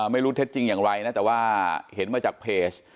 ไม่รู้เท็จจริงอย่างไรแต่ว่าเห็นมาจากเพจ